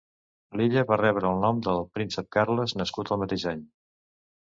L'illa va rebre el nom de Príncep Carles, nascut el mateix any.